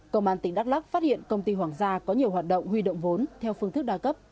công an tỉnh đắk lắc phát hiện công ty hoàng gia có nhiều hoạt động huy động vốn theo phương thức đa cấp